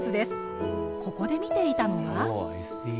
ここで見ていたのは。